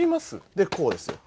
でこうですよ。